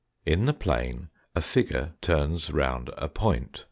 In the plane a figure turns round a point.